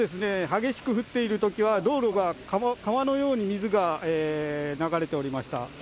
激しく降っているときは、道路が川のように水が流れておりました。